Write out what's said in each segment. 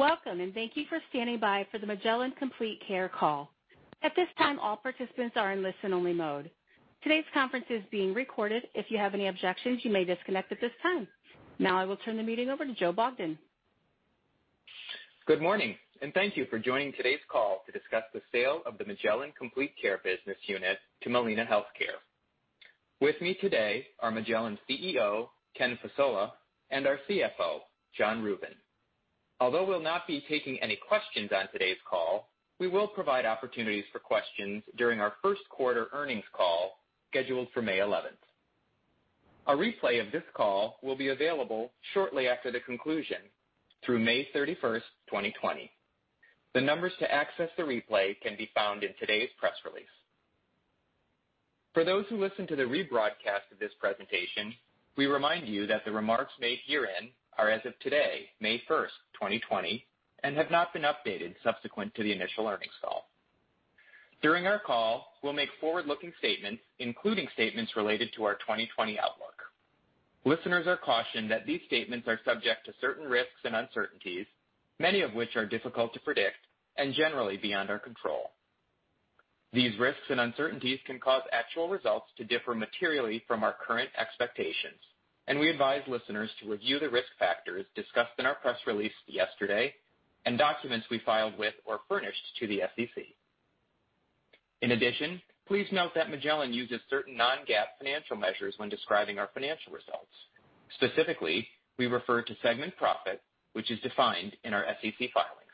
Welcome, thank you for standing by for the Magellan Complete Care call. At this time, all participants are in listen-only mode. Today's conference is being recorded. If you have any objections, you may disconnect at this time. Now I will turn the meeting over to Joseph Zubretsky. Good morning, thank you for joining today's call to discuss the sale of the Magellan Complete Care business unit to Molina Healthcare. With me today are Magellan's CEO, Ken Fasola, and our CFO, Jon Rubin. Although we'll not be taking any questions on today's call, we will provide opportunities for questions during our first quarter earnings call scheduled for May 11th. A replay of this call will be available shortly after the conclusion through May 31st, 2020. The numbers to access the replay can be found in today's press release. For those who listen to the rebroadcast of this presentation, we remind you that the remarks made herein are as of today, May 1st, 2020, and have not been updated subsequent to the initial earnings call. During our call, we'll make forward-looking statements, including statements related to our 2020 outlook. Listeners are cautioned that these statements are subject to certain risks and uncertainties, many of which are difficult to predict and generally beyond our control. These risks and uncertainties can cause actual results to differ materially from our current expectations, and we advise listeners to review the risk factors discussed in our press release yesterday and documents we filed with or furnished to the SEC. In addition, please note that Magellan uses certain non-GAAP financial measures when describing our financial results. Specifically, we refer to segment profit, which is defined in our SEC filings.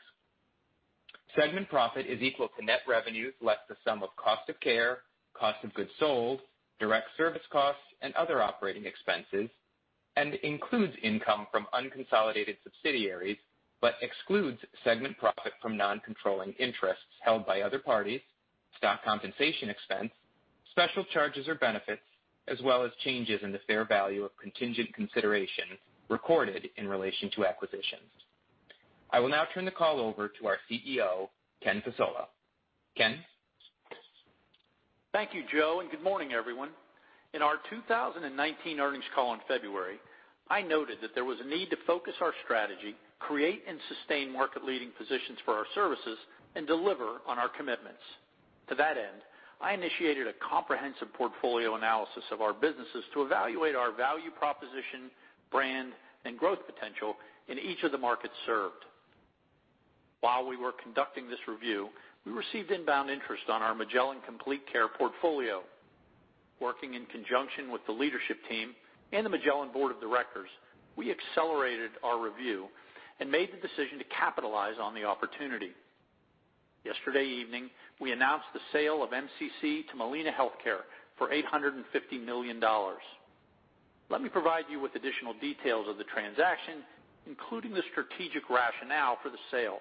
Segment profit is equal to net revenues, less the sum of cost of care, cost of goods sold, direct service costs, and other operating expenses, and includes income from unconsolidated subsidiaries, but excludes segment profit from non-controlling interests held by other parties, stock compensation expense, special charges or benefits, as well as changes in the fair value of contingent consideration recorded in relation to acquisitions. I will now turn the call over to our CEO, Ken Fasola. Ken? Thank you, Joe, and good morning, everyone. In our 2019 earnings call in February, I noted that there was a need to focus our strategy, create and sustain market-leading positions for our services, and deliver on our commitments. To that end, I initiated a comprehensive portfolio analysis of our businesses to evaluate our value proposition, brand, and growth potential in each of the markets served. While we were conducting this review, we received inbound interest on our Magellan Complete Care portfolio. Working in conjunction with the leadership team and the Magellan Board of Directors, we accelerated our review and made the decision to capitalize on the opportunity. Yesterday evening, we announced the sale of MCC to Molina Healthcare for $850 million. Let me provide you with additional details of the transaction, including the strategic rationale for the sale.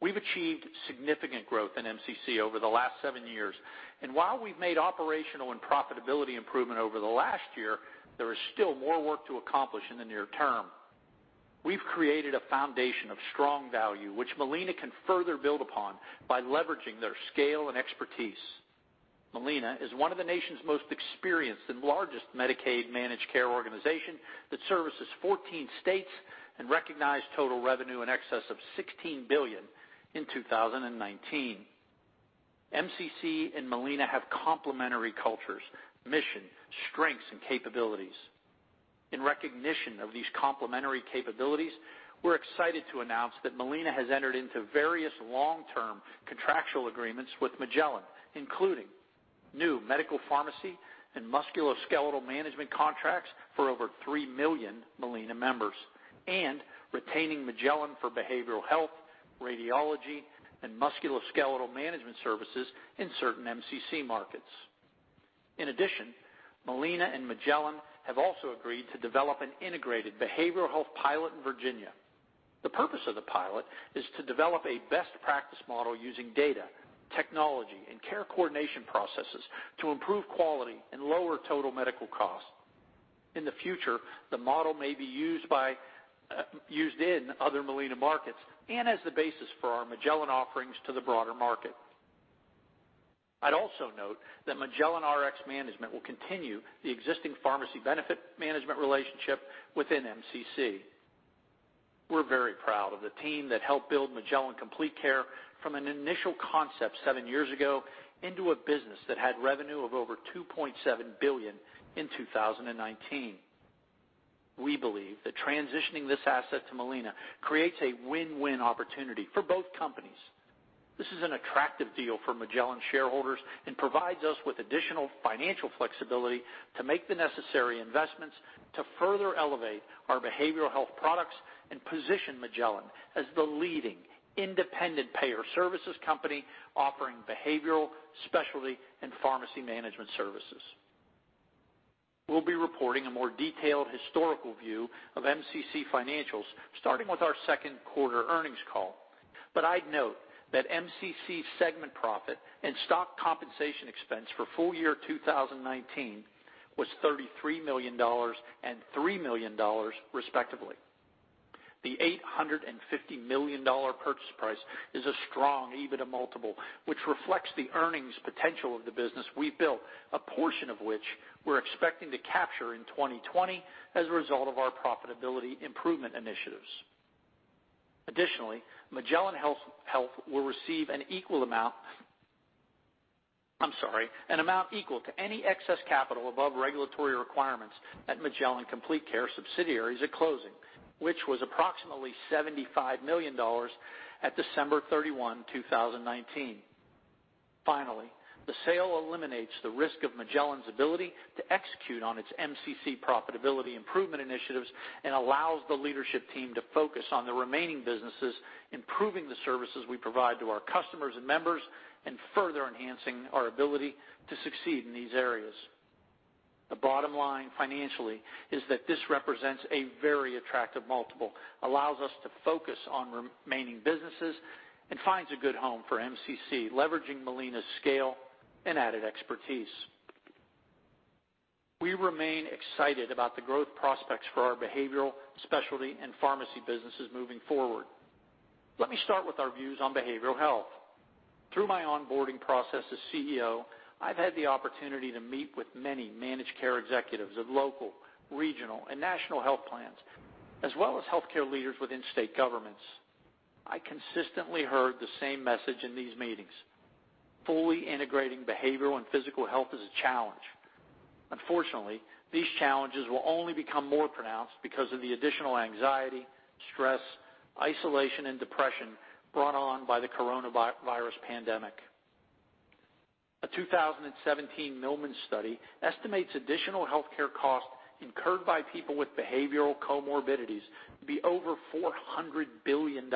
We've achieved significant growth in MCC over the last seven years, and while we've made operational and profitability improvement over the last year, there is still more work to accomplish in the near term. We've created a foundation of strong value, which Molina can further build upon by leveraging their scale and expertise. Molina is one of the nation's most experienced and largest Medicaid managed care organization that services 14 states and recognized total revenue in excess of $16 billion in 2019. MCC and Molina have complementary cultures, mission, strengths, and capabilities. In recognition of these complementary capabilities, we're excited to announce that Molina has entered into various long-term contractual agreements with Magellan, including new medical pharmacy and musculoskeletal management contracts for over three million Molina members and retaining Magellan for behavioral health, radiology, and musculoskeletal management services in certain MCC markets. In addition, Molina and Magellan have also agreed to develop an integrated behavioral health pilot in Virginia. The purpose of the pilot is to develop a best practice model using data, technology, and care coordination processes to improve quality and lower total medical costs. In the future, the model may be used in other Molina markets and as the basis for our Magellan offerings to the broader market. I'd also note that Magellan Rx Management will continue the existing pharmacy benefit management relationship within MCC. We're very proud of the team that helped build Magellan Complete Care from an initial concept seven years ago into a business that had revenue of over $2.7 billion in 2019. We believe that transitioning this asset to Molina creates a win-win opportunity for both companies. This is an attractive deal for Magellan shareholders and provides us with additional financial flexibility to make the necessary investments to further elevate our behavioral health products and position Magellan as the leading independent payer services company offering behavioral, specialty, and pharmacy management services. I'd note that MCC segment profit and stock compensation expense for full year 2019 was $33 million and $3 million respectively. The $850 million purchase price is a strong EBITDA multiple, which reflects the earnings potential of the business we've built, a portion of which we're expecting to capture in 2020 as a result of our profitability improvement initiatives. Additionally, Magellan Health will receive an amount equal to any excess capital above regulatory requirements at Magellan Complete Care subsidiaries at closing, which was approximately $75 million at December 31, 2019. Finally, the sale eliminates the risk of Magellan's ability to execute on its MCC profitability improvement initiatives and allows the leadership team to focus on the remaining businesses, improving the services we provide to our customers and members, and further enhancing our ability to succeed in these areas. The bottom line financially is that this represents a very attractive multiple, allows us to focus on remaining businesses, and finds a good home for MCC, leveraging Molina's scale and added expertise. We remain excited about the growth prospects for our behavioral, specialty, and pharmacy businesses moving forward. Let me start with our views on behavioral health. Through my onboarding process as CEO, I've had the opportunity to meet with many managed care executives of local, regional, and national health plans, as well as healthcare leaders within state governments. I consistently heard the same message in these meetings. Fully integrating behavioral and physical health is a challenge. Unfortunately, these challenges will only become more pronounced because of the additional anxiety, stress, isolation, and depression brought on by the coronavirus pandemic. A 2017 Milliman study estimates additional healthcare costs incurred by people with behavioral comorbidities to be over $400 billion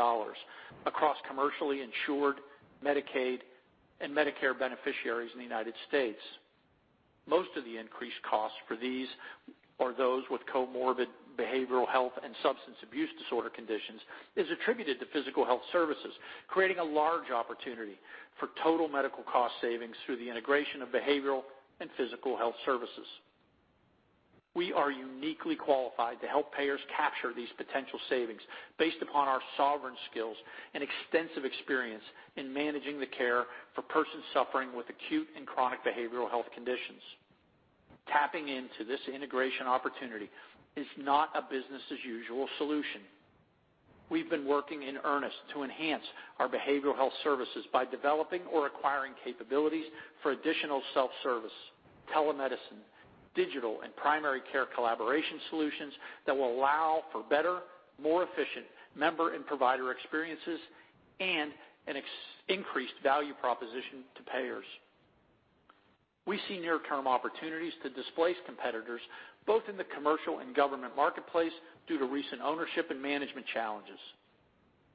across commercially insured Medicaid and Medicare beneficiaries in the United States. Most of the increased costs for these are those with comorbid behavioral health and substance abuse disorder conditions is attributed to physical health services, creating a large opportunity for total medical cost savings through the integration of behavioral and physical health services. We are uniquely qualified to help payers capture these potential savings based upon our sovereign skills and extensive experience in managing the care for persons suffering with acute and chronic behavioral health conditions. Tapping into this integration opportunity is not a business-as-usual solution. We've been working in earnest to enhance our behavioral health services by developing or acquiring capabilities for additional self-service, telemedicine, digital, and primary care collaboration solutions that will allow for better, more efficient member and provider experiences and an increased value proposition to payers. We see near-term opportunities to displace competitors, both in the commercial and government marketplace, due to recent ownership and management challenges.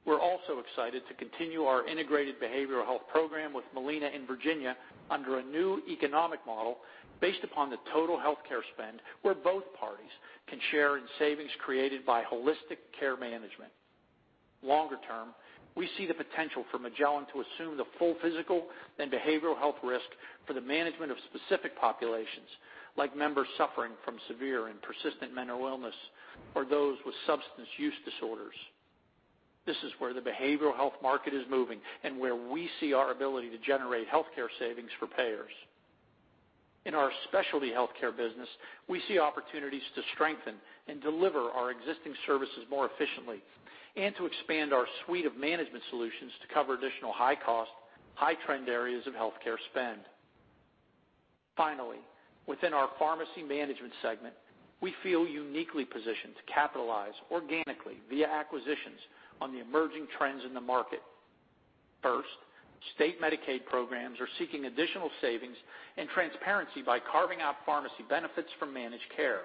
We're also excited to continue our integrated behavioral health program with Molina in Virginia under a new economic model based upon the total healthcare spend where both parties can share in savings created by holistic care management. Longer term, we see the potential for Magellan to assume the full physical and behavioral health risk for the management of specific populations, like members suffering from severe and persistent mental illness or those with substance use disorders. This is where the behavioral health market is moving and where we see our ability to generate healthcare savings for payers. In our specialty healthcare business, we see opportunities to strengthen and deliver our existing services more efficiently and to expand our suite of management solutions to cover additional high-cost, high-trend areas of healthcare spend. Finally, within our pharmacy management segment, we feel uniquely positioned to capitalize organically via acquisitions on the emerging trends in the market. First, state Medicaid programs are seeking additional savings and transparency by carving out pharmacy benefits from managed care.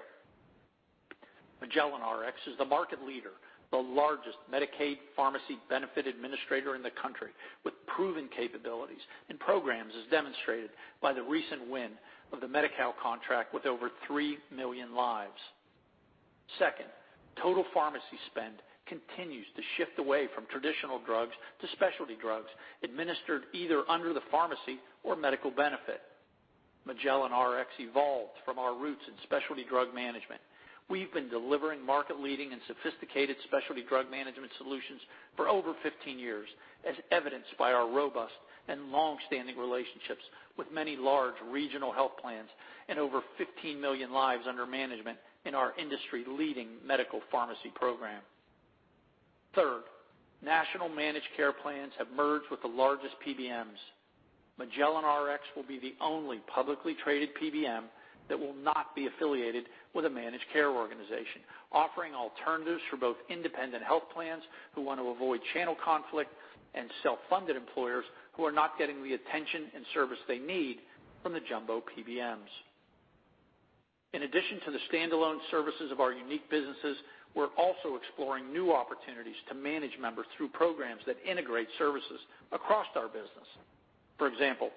Magellan Rx is the market leader, the largest Medicaid pharmacy benefit administrator in the country with proven capabilities and programs as demonstrated by the recent win of the Medi-Cal contract with over three million lives. Second, total pharmacy spend continues to shift away from traditional drugs to specialty drugs administered either under the pharmacy or medical benefit. Magellan Rx evolved from our roots in specialty drug management. We've been delivering market-leading and sophisticated specialty drug management solutions for over 15 years, as evidenced by our robust and longstanding relationships with many large regional health plans and over 15 million lives under management in our industry-leading medical pharmacy program. Third, national managed care plans have merged with the largest PBMs. Magellan Rx will be the only publicly traded PBM that will not be affiliated with a managed care organization, offering alternatives for both independent health plans who want to avoid channel conflict and self-funded employers who are not getting the attention and service they need from the jumbo PBMs. In addition to the standalone services of our unique businesses, we're also exploring new opportunities to manage members through programs that integrate services across our business. For example,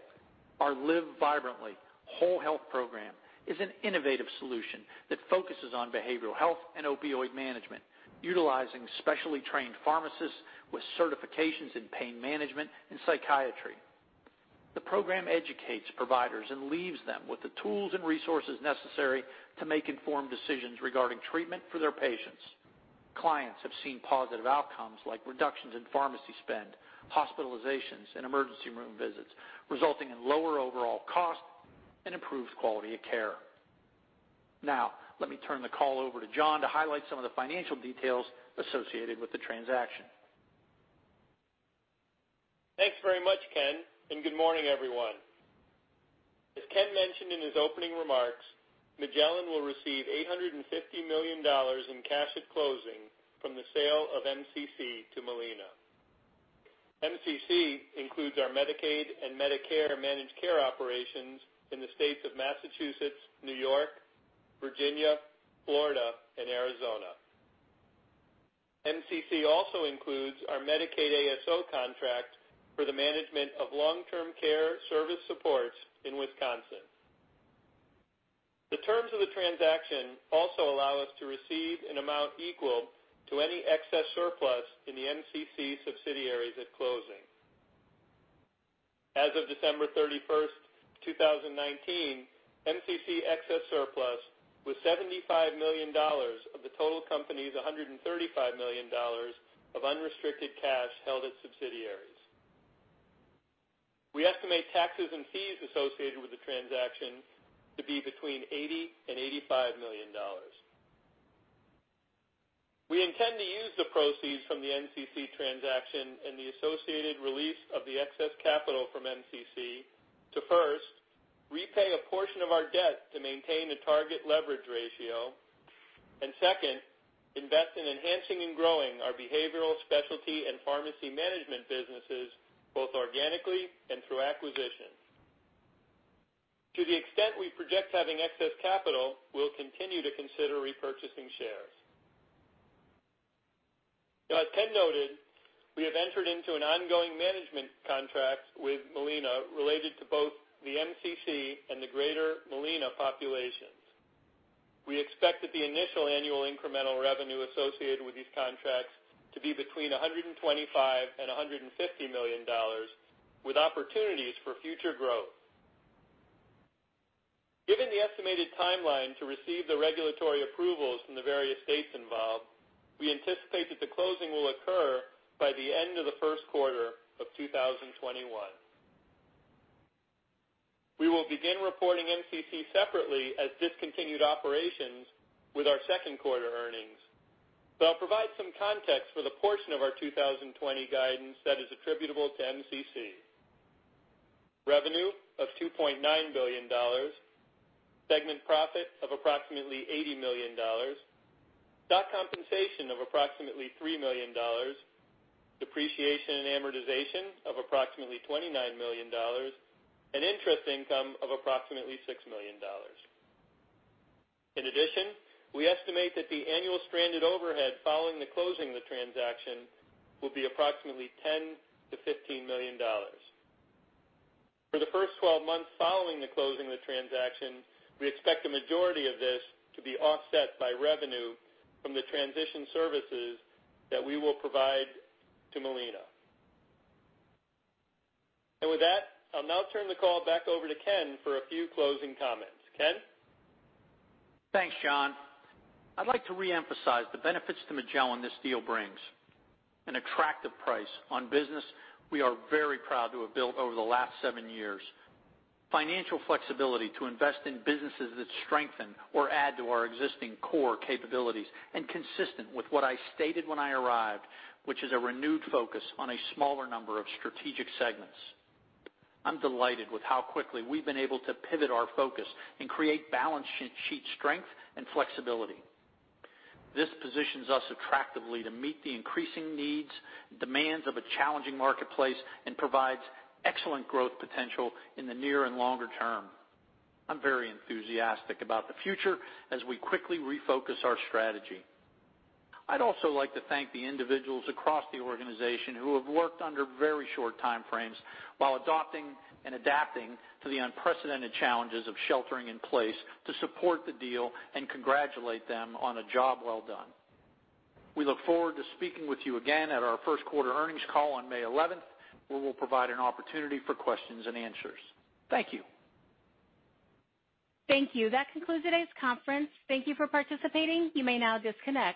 our Live Vibrantly: Whole Health program is an innovative solution that focuses on behavioral health and opioid management, utilizing specially trained pharmacists with certifications in pain management and psychiatry. The program educates providers and leaves them with the tools and resources necessary to make informed decisions regarding treatment for their patients. Clients have seen positive outcomes like reductions in pharmacy spend, hospitalizations, and emergency room visits, resulting in lower overall cost and improved quality of care. Let me turn the call over to Jon to highlight some of the financial details associated with the transaction. Thanks very much, Ken, and good morning, everyone. As Ken mentioned in his opening remarks, Magellan will receive $850 million in cash at closing from the sale of MCC to Molina. MCC includes our Medicaid and Medicare managed care operations in the states of Massachusetts, New York, Virginia, Florida, and Arizona. MCC also includes our Medicaid ASO contract for the management of long-term care service supports in Wisconsin. The terms of the transaction also allow us to receive an amount equal to any excess surplus in the MCC subsidiaries at closing. As of December 31st, 2019, MCC excess surplus was $75 million of the total company's $135 million of unrestricted cash held at subsidiaries. We estimate taxes and fees associated with the transaction to be between $80 million-$85 million. We intend to use the proceeds from the MCC transaction and the associated release of the excess capital from MCC to first, repay a portion of our debt to maintain a target leverage ratio, and second, invest in enhancing and growing our behavioral specialty and pharmacy management businesses, both organically and through acquisition. To the extent we project having excess capital, we'll continue to consider repurchasing shares. As Ken noted, we have entered into an ongoing management contract with Molina related to both the MCC and the greater Molina populations. We expect that the initial annual incremental revenue associated with these contracts to be between $125 million-$150 million, with opportunities for future growth. Given the estimated timeline to receive the regulatory approvals from the various states involved, we anticipate that the closing will occur by the end of the first quarter of 2021. We will begin reporting MCC separately as discontinued operations with our second quarter earnings, but I'll provide some context for the portion of our 2020 guidance that is attributable to MCC. Revenue of $2.9 billion, segment profit of approximately $80 million, stock compensation of approximately $3 million, depreciation and amortization of approximately $29 million, and interest income of approximately $6 million. In addition, we estimate that the annual stranded overhead following the closing of the transaction will be approximately $10 million-$15 million. For the first 12 months following the closing of the transaction, we expect the majority of this to be offset by revenue from the transition services that we will provide to Molina. With that, I'll now turn the call back over to Ken for a few closing comments. Ken? Thanks, Jon. I'd like to reemphasize the benefits to Magellan this deal brings. An attractive price on business we are very proud to have built over the last seven years. Financial flexibility to invest in businesses that strengthen or add to our existing core capabilities, and consistent with what I stated when I arrived, which is a renewed focus on a smaller number of strategic segments. I'm delighted with how quickly we've been able to pivot our focus and create balance sheet strength and flexibility. This positions us attractively to meet the increasing needs, demands of a challenging marketplace, and provides excellent growth potential in the near and longer term. I'm very enthusiastic about the future as we quickly refocus our strategy. I'd also like to thank the individuals across the organization who have worked under very short time frames while adopting and adapting to the unprecedented challenges of sheltering in place to support the deal and congratulate them on a job well done. We look forward to speaking with you again at our first quarter earnings call on May 11th, where we'll provide an opportunity for questions and answers. Thank you. Thank you. That concludes today's conference. Thank you for participating. You may now disconnect.